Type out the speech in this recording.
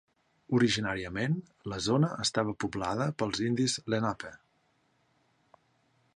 Originàriament, la zona estava poblada pels indis lenape.